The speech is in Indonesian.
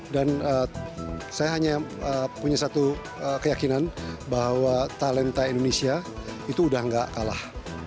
dan saya hanya punya satu keyakinan bahwa talenta indonesia itu udah gak kalah